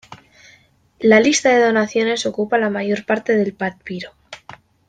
La lista de donaciones ocupa la mayor parte del papiro.